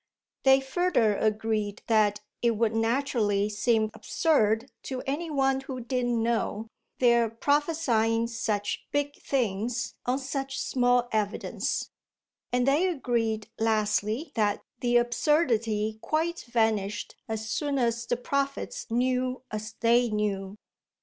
They further agreed that it would naturally seem absurd to any one who didn't know, their prophesying such big things on such small evidence; and they agreed lastly that the absurdity quite vanished as soon as the prophets knew as they knew.